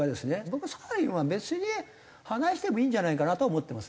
僕サハリンは別に放してもいいんじゃないかなとは思ってますね。